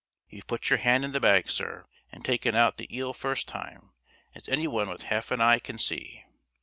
"You've put your hand in the bag, sir, and taken out the eel first time, as any one with half an eye can see.